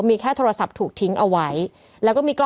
มีแค่โทรศัพท์ถูกทิ้งเอาไว้